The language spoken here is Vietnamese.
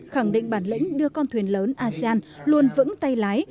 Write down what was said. khẳng định bản lĩnh đưa con thuyền lớn asean luôn vững tay lái